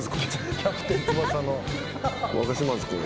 『キャプテン翼』の。